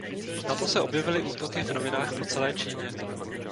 Nato se objevily útoky v novinách po celé Číně.